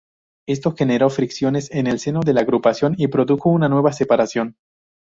Esto generó fricciones en el seno de la agrupación y produjo una nueva separación.